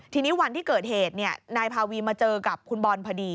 ทีนี้วันที่เกิดเหตุนายพาวีมาเจอกับคุณบอลพอดี